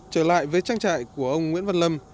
trở lại với trang trại của ông nguyễn văn lâm